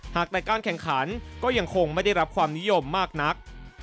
หากแต่การแข่งขันก็ยังคงไม่ได้รับความนิยมมากนัก